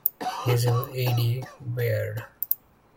Hazel A. D. Baird.